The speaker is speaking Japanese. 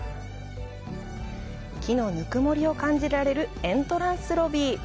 木のぬくもりを感じられるエントランスロビー。